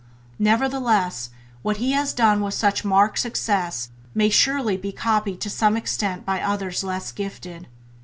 Nevertheless, what he has done with such marked success may surely be copied to some extent by others less gifted.